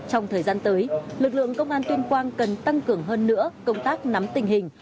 trong thời gian tới lực lượng công an tuyên quang cần tăng cường hơn nữa công tác nắm tình hình